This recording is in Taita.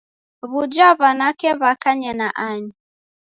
W'uja w'anake w'akanye na ani?